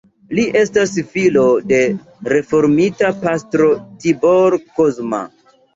Li estas filo de reformita pastro Tibor Kozma.